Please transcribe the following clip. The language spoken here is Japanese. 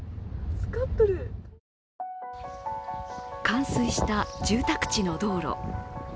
冠水した住宅地の道路。